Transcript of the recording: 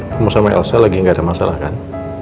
kamu sama elsa lagi nggak ada masalah kan